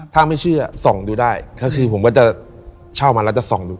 ถ้าไม่เชื่อส่องดูได้ก็คือผมก็จะเช่ามาแล้วจะส่องดู